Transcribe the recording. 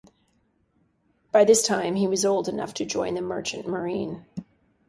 By this time, he was old enough to join the Merchant Marine.